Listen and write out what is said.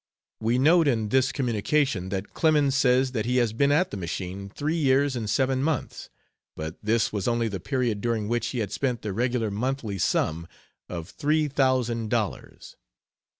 We note in this communication that Clemens says that he has been at the machine three years and seven months, but this was only the period during which he had spent the regular monthly sum of three thousand dollars.